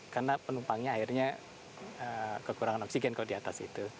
karena penumpangnya akhirnya kekurangan oksigen kalau di atas itu